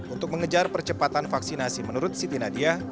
untuk mengejar percepatan vaksinasi menurut siti nadia